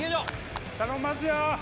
頼んますよ！